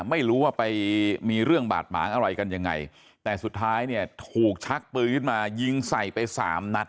ไม่รู้ว่าไปมีเรื่องบาดหมางอะไรกันยังไงแต่สุดท้ายเนี่ยถูกชักปืนขึ้นมายิงใส่ไปสามนัด